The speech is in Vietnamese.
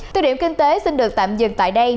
tư điểm kinh tế xin được tạm dừng tại đây